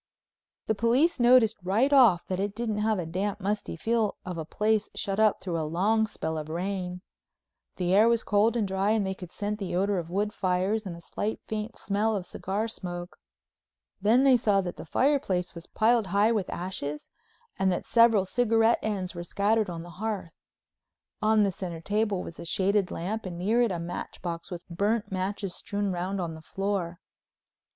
The police noticed right off that it didn't have the damp, musty feel of a place shut up through a long spell of rain. The air was cold and dry and they could scent the odor of wood fires and a slight faint smell of cigar smoke. Then they saw that the fireplace was piled high with ashes and that several cigarette ends were scattered on the hearth. On the center table was a shaded lamp and near it a match box with burnt matches strewn round on the floor.